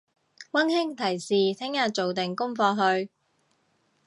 溫馨提示聽日做定功課去！